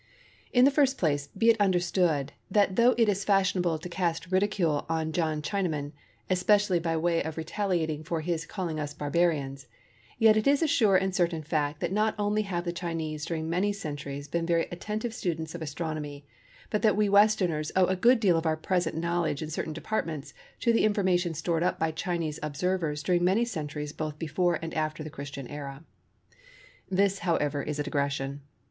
In the first place, be it understood, that though it is fashionable to cast ridicule on John Chinaman, especially by way of retaliation for his calling us "Barbarians," yet it is a sure and certain fact that not only have the Chinese during many centuries been very attentive students of Astronomy, but that we Westerns owe a good deal of our present knowledge in certain departments to the information stored up by Chinese observers during many centuries both before and after the Christian Era. This, however, is a digression.